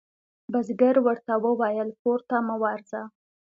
بزګر ورته وویل کور ته مه ورځه.